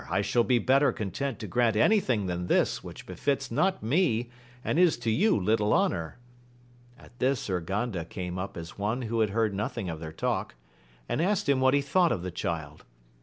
^^'yi^X^fc^K/e^ 70 AMADIS OF GAUL' content to grant anything than this which befits not me, and is to you little honour. At this time Urganda came up as one who had heard nothing of their talk, and asked him what he thought of the Child.